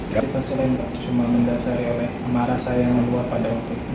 kita selain itu cuma mendasari oleh kemarah saya yang keluar pada waktu itu